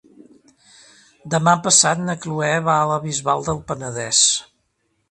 Demà passat na Chloé va a la Bisbal del Penedès.